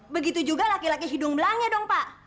begitu juga laki laki hidung belangnya dong pak